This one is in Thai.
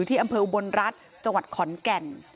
ที่อำเภออุบลรัฐจังหวัดขอนแก่น